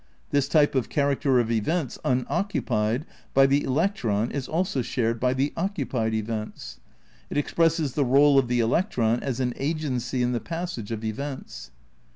This type of character of events unoccupied by the electron is also shared by the occupied events. It expresses the role of the electron as an agency in the passage of events.